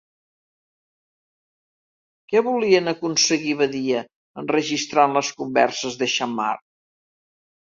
Què volien aconseguir Badia enregistrant les converses de Xammar?